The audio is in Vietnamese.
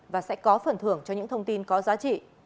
và sẽ có phần thưởng cho những thông tin có giá trị